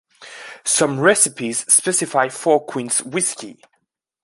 Some recipes specify Four Queens whiskey.